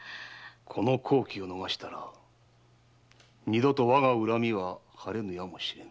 この好機を逃したら二度と我が恨みは晴れぬやもしれぬ。